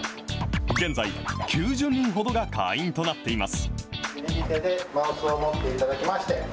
現在、９０人ほどが会員となっています。